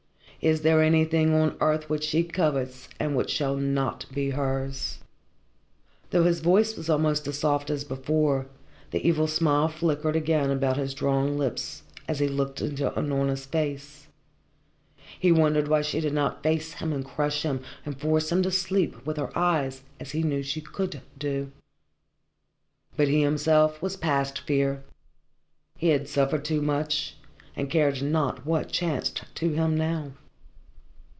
Is there anything on earth which she covets and which shall not be hers?" Though his voice was almost as soft as before, the evil smile flickered again about his drawn lips as he looked into Unorna's face. He wondered why she did not face him and crush him and force him to sleep with her eyes as he knew she could do. But he himself was past fear. He had suffered too much and cared not what chanced to him now.